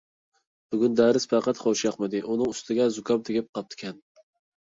بۈگۈن دەرس پەقەت خۇشياقمىدى، ئۇنىڭ ئۈستىگە زۇكام تېگىپ قاپتىكەن.